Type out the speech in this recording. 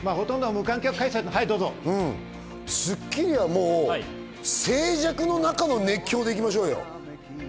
阿部さん、『スッキリ』はもう静寂の中の熱狂で行きましょうよ。